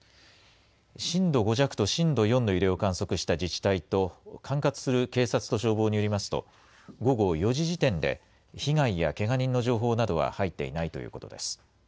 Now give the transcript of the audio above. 震度５弱と震度４の揺れを観測した自治体と、管轄する警察と消防によりますと、午後４時時点で、被害やけが人の情報などは入っていないということです。